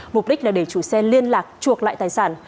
mục đích là để chủ xe liên lạc chuộc lại tài sản